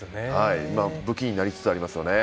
武器になりつつありますよね。